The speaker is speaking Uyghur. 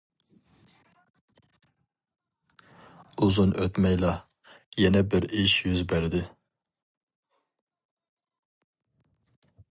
ئۇزۇن ئۆتمەيلا، يەنە بىر ئىش يۈز بەردى.